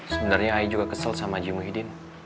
sebenernya ayah juga kesel sama azimuddin